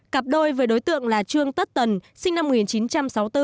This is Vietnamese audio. cặp đôi với đối tượng là trương tất tần sinh năm một nghìn chín trăm sáu mươi bốn